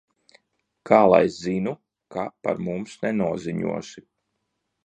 Kā lai zinu, Ka par mums nenoziņosi?